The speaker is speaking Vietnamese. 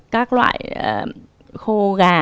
các loại khô gà